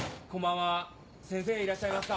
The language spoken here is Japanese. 先生いらっしゃいますか？